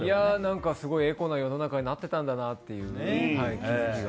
すごいエコな世の中になってたんだなという気づきが。